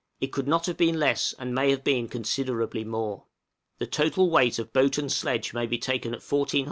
it could not have been less, and may have been considerably more. The total weight of boat and sledge may be taken at 1400 lbs.